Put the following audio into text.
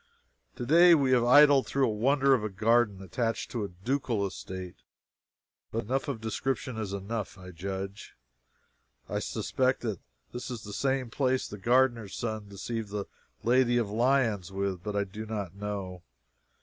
Today we have idled through a wonder of a garden attached to a ducal estate but enough of description is enough, I judge. I suspect that this was the same place the gardener's son deceived the Lady of Lyons with, but I do not know.